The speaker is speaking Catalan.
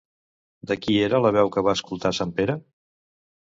De qui era la veu que va escoltar sant Pere?